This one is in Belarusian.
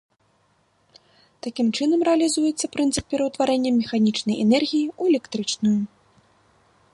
Такім чынам, рэалізуецца прынцып пераўтварэння механічнай энергіі ў электрычную.